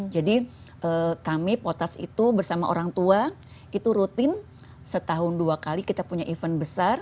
jadi kami potas itu bersama orang tua itu rutin setahun dua kali kita punya event besar